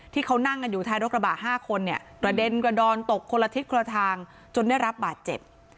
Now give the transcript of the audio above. ที่เขานั่งกันอยู่ท้ายรถกระบะ๕คนเนี่ยกระเด็นกระดอนตกคนละทิศคนละทางจนได้รับบาดเจ็บ